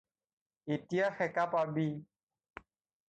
এতিয়া সেকা পাবি